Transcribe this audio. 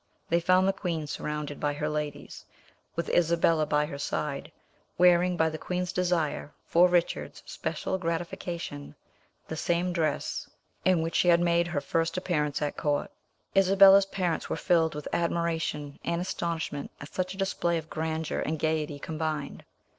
They found the queen surrounded by her ladies, with Isabella by her side, wearing, by the queen's desire, for Richard's special gratification, the same dress in which she had made her first appearance at court. Isabella's parents were filled with admiration and astonishment at such a display of grandeur and gaiety combined.